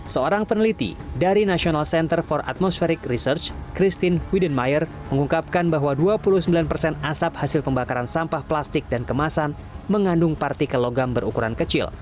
seorang peneliti dari national center for atmosfering research christine widenmayer mengungkapkan bahwa dua puluh sembilan persen asap hasil pembakaran sampah plastik dan kemasan mengandung partikel logam berukuran kecil